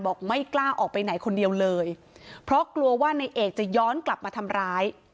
ไม่กล้าออกไปไหนคนเดียวเลยเพราะกลัวว่าในเอกจะย้อนกลับมาทำร้าย